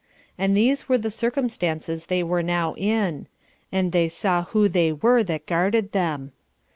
And these were the circumstances they were now in; and they saw who they were that guarded them.